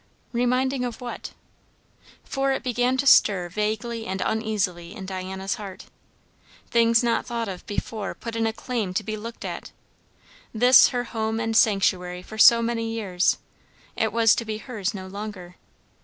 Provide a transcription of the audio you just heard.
Reminding of what? For it began to stir vaguely and uneasily in Diana's heart. Things not thought of before put in a claim to be looked at. This her home and sanctuary for so many years, it was to be hers no longer.